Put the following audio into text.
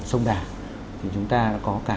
sông đà thì chúng ta đã có cả